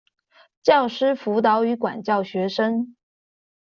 教師輔導與管教學生